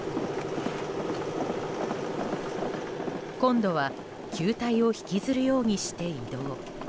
今度は球体を引きずるようにして移動。